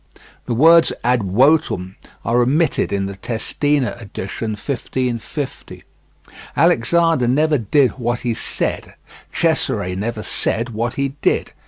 The words "ad votum" are omitted in the Testina addition, 1550. Alexander never did what he said, Cesare never said what he did.